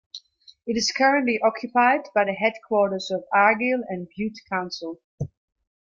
It is currently occupied by the headquarters of Argyll and Bute Council.